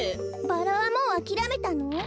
バラはもうあきらめたの？